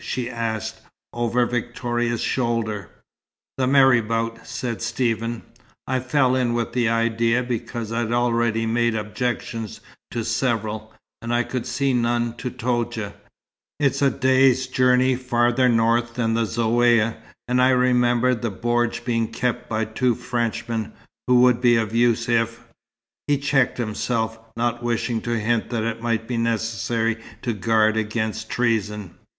she asked, over Victoria's shoulder. "The marabout," said Stephen. "I fell in with the idea because I'd already made objections to several, and I could see none to Toudja. It's a day's journey farther north than the Zaouïa, and I remembered the bordj being kept by two Frenchmen, who would be of use if " He checked himself, not wishing to hint that it might be necessary to guard against treason.